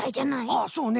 ああそうね。